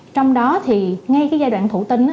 trong đó ngay giai đoạn thủ tinh